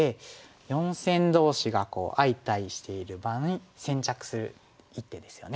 四線同士が相対している場に先着する一手ですよね。